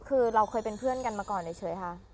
คือเราเคยเป็นเพื่อนกันมาก่อนเฉยค่ะ